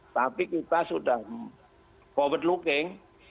tapi kita sudah forward looking